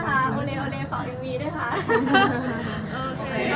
ก็ทำได้นะคะโอเล่โอเล่ขอบคุณพี่ด้วยค่ะ